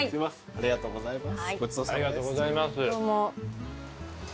ありがとうございます。